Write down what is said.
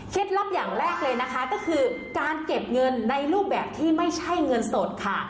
ลับอย่างแรกเลยนะคะก็คือการเก็บเงินในรูปแบบที่ไม่ใช่เงินสดค่ะ